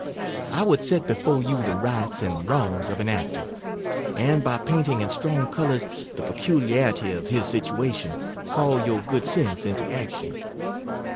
I would set before you the rights and wrongs of an actor; and by painting in strong colours the peculiarity of his situation, call your good sense into action.